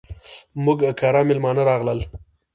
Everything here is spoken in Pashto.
موږ کره ميلمانه راغلل.